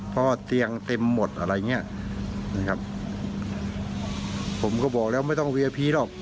เพราะว่าเตียงเต็มหมดอะไรอย่างเงี้ยนะครับผมก็บอกแล้วไม่ต้องเวียพีหรอก